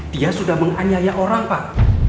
dia sudah menganyai orang pak